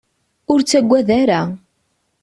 Ur ttagad ara.